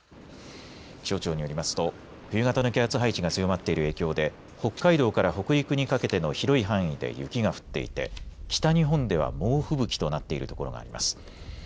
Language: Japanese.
気象庁によりますと冬型の気圧配置が強まっている影響で北海道から北陸にかけての広い範囲で雪が降っていて北日本では猛吹雪となっている所があります。